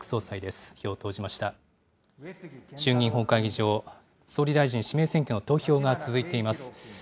衆議院本会議場、総理大臣指名選挙の投票が続いています。